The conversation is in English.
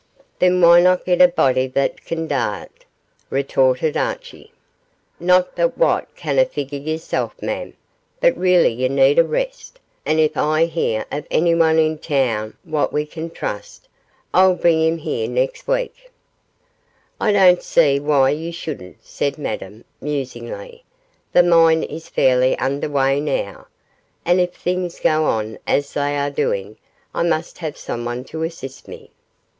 'Then why not get a body that can dae it?' retorted Archie; 'not but what ye canna figure yersel', mem, but really ye need a rest, and if I hear of onyone in toun wha we can trust I'll bring him here next week.' 'I don't see why you shouldn't,' said Madame, musingly; 'the mine is fairly under way now, and if things go on as they are doing, I must have someone to assist me.